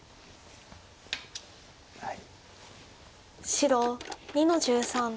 白２の十三。